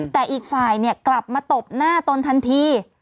แต่อีกฝ่ายกลับมาตบหน้าตนทันที